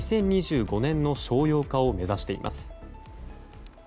２０２５年の商用化を目指しています。